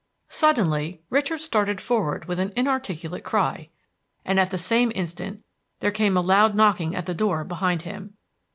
Suddenly Richard started forward with an inarticulate cry, and at the same instant there came a loud knocking at the door behind him.